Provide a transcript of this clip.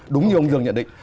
đúng như ông dương nhận định